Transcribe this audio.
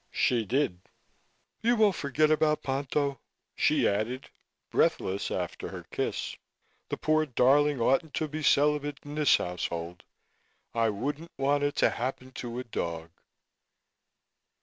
She did. "You won't forget about Ponto," she added breathless after her kiss. "The poor darling oughtn't to be celibate in this household. I wouldn't want it to happen to a dog."